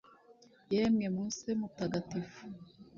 yemwe musee mutagatifu